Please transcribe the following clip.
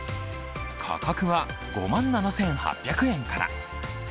価格は５万７８００円から。